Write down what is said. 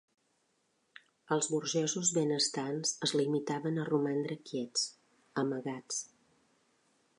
Els burgesos benestants es limitaven a romandre quiets, amagats